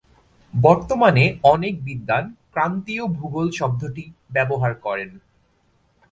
বর্তমানে অনেক বিদ্বান ক্রান্তীয় ভূগোল শব্দটি ব্যবহার করেন।